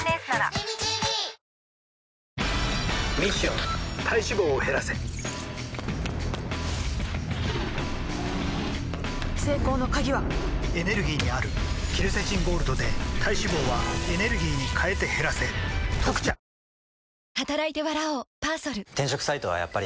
ミッション体脂肪を減らせ成功の鍵はエネルギーにあるケルセチンゴールドで体脂肪はエネルギーに変えて減らせ「特茶」ベイクド！